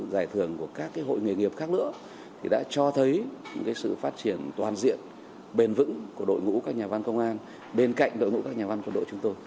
đội nghề nghiệp khác nữa thì đã cho thấy sự phát triển toàn diện bền vững của đội ngũ các nhà văn công an bên cạnh đội ngũ các nhà văn của đội chúng tôi